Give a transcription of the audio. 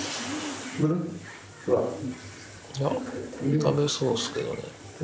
食べそうっすけどね。